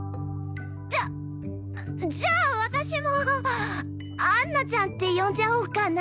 じゃじゃあ私も杏奈ちゃんって呼んじゃおうかな。